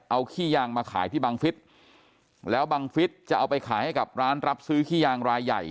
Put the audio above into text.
เอาขี้ยางมาขายที่บังฟิศแล้วบังฟิศจะเอาไปขายให้กับร้านรับซื้อขี้ยางรายใหญ่